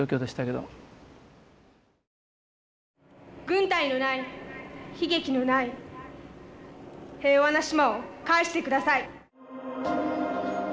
軍隊のない悲劇のない平和な島を返してください。